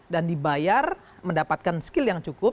dan dibayar mendapatkan skill yang cukup